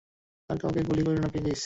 আর কাউকে গুলি করিও না, প্লিজ।